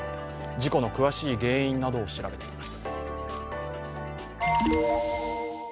事故の詳しい原因などを調べています。